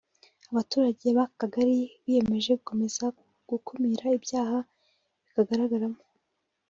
Abaturage b’aka kagari biyemeje gukomeza gukumira ibyaha bikagaragamo